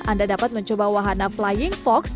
anda dapat mencoba wahana flying fox